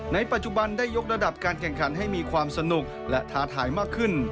ในปัจจุบันได้ยกระดับการแข่งขันให้มีความสนุกและท้าทายมากขึ้น